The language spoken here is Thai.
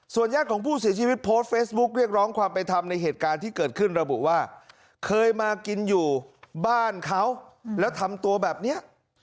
ญาติของผู้เสียชีวิตโพสต์เฟซบุ๊คเรียกร้องความเป็นธรรมในเหตุการณ์ที่เกิดขึ้นระบุว่าเคยมากินอยู่บ้านเขาแล้วทำตัวแบบนี้